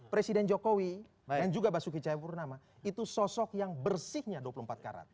presiden jokowi dan juga basuki cahayapurnama itu sosok yang bersihnya dua puluh empat karat